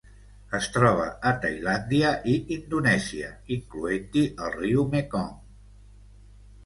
Es troba a Tailàndia i Indonèsia, incloent-hi el riu Mekong.